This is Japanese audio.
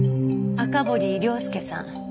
赤堀亮介さん